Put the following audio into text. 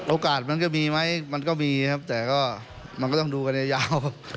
มันก็มีไหมมันก็มีครับแต่ก็มันก็ต้องดูกันยาว